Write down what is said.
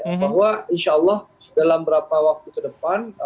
bahwa insya allah dalam beberapa waktu ke depan